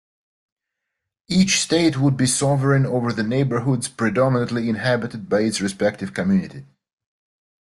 Each state would be sovereign over the neighborhoods predominately inhabited by its respective community.